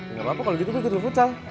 nggak apa apa kalau gitu gue ikut lo futsal